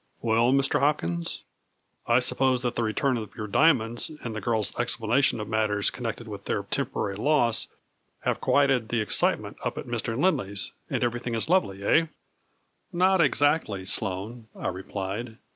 " Well, Mr. Hopkins, I suppose that the return of your diamonds, and the girl's explana tion of matters connected with their temporary loss have quieted the excitement up at Mr. Lind ley's, and everything is lovely, eh ?"" Not exactly Sloane," I replied.